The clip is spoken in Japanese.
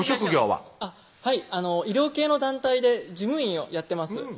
はい医療系の団体で事務員をやってます